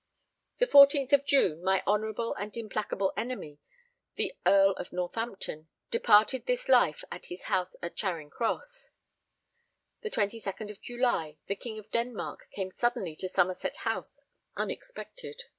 The 14th of June, my honourable and implacable enemy, the Earl of Northampton, departed this life at his house at Charing Cross. The 22nd of July, the King of Denmark came suddenly to Somerset House unexpected.